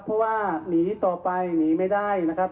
เพราะว่าหนีต่อไปหนีไม่ได้นะครับ